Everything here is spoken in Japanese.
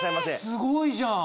すごいじゃん！